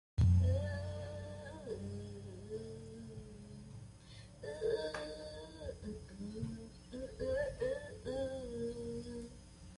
Cada cuerda está equipada con una sordina controlada por un pedal.